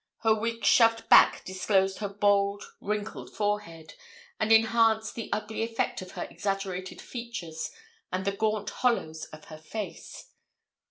Her wig shoved back disclosed her bald wrinkled forehead, and enhanced the ugly effect of her exaggerated features and the gaunt hollows of her face.